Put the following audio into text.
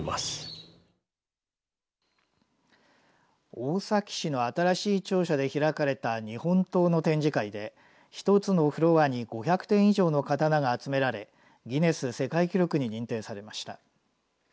大崎市の新しい庁舎で開かれた日本刀の展示会で一つのフロアに５００点以上の刀が集められギネス世界記録に認定されました。